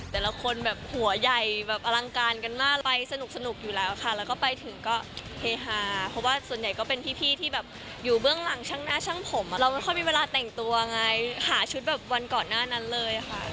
แต่ละคนแบบหัวใหญ่แบบอลังการกันมากไปสนุกอยู่แล้วค่ะแล้วก็ไปถึงก็เฮฮาเพราะว่าส่วนใหญ่ก็เป็นพี่ที่แบบอยู่เบื้องหลังช่างหน้าช่างผมเราไม่ค่อยมีเวลาแต่งตัวไงหาชุดแบบวันก่อนหน้านั้นเลยค่ะ